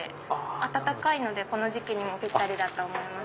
温かいのでこの時期にもぴったりだと思います。